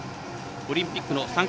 オリンピックの参加